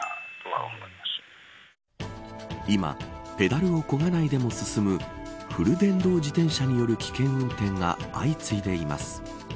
今、ペダルを漕がなくても進むフル電動自転車による危険運転が相次いでいます。